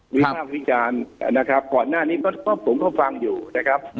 ภาควิจารณ์นะครับก่อนหน้านี้ก็ผมก็ฟังอยู่นะครับ